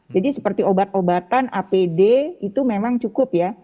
jadi seperti obat obatan apd itu memang cukup ya